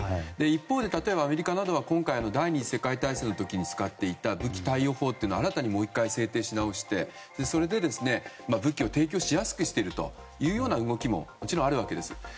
一方で、例えばアメリカなどは第２次世界大戦時に使っていた武器貸与法というのを新たにもう１回制定し直して、武器を提供しやすくしているという動きももちろんあるわけです。